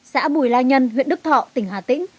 xã bùi la nhân huyện đức thọ tỉnh hà tĩnh